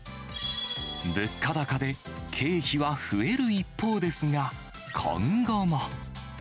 物価高で経費は増える一方ですが、今後も。